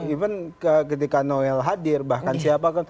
even ketika noel hadir bahkan siapa kan